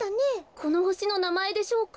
このほしのなまえでしょうか？